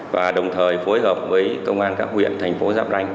và đồng thời phối hợp với công an các huyện thành phố giáp ranh